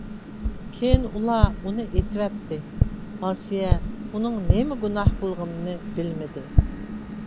كېيىن ئۇلار ئۇنى ئېتىۋەتتى، ئاسىيە ئۇنىڭ نېمە گۇناھ قىلغىنىنى بىلمىدى.